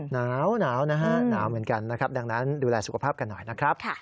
หนาวนะฮะหนาวเหมือนกันนะครับดังนั้นดูแลสุขภาพกันหน่อยนะครับ